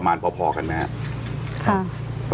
ไปประมาณพอกันมั้ยครับ